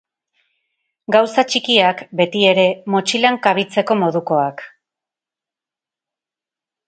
Gauza txikiak betiere, motxilan kabitzeko modukoak.